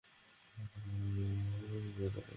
আমার বাবা এখানে বড় হয়েছে।